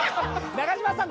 中島さん。